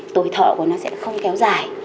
tuổi thợ của nó sẽ không kéo dài